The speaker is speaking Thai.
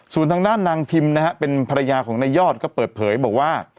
ส่วนทางด้านนางพิมพ์นะฮะเป็นภรรยาของนายยอดก็เปิดเผยบอกว่า